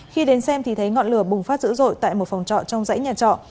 khi đến xem thì thấy ngọn lửa bùng phát dữ dội tại một phòng trọ trong dãy nhà trọ